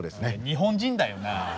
日本人だよなあ。